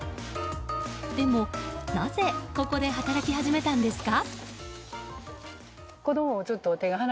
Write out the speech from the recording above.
でも、なぜここで働き始めたんですか？